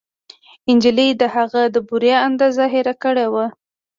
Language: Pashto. نجلۍ د هغه د بورې اندازه هېره کړې وه